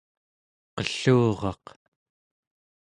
qelluraq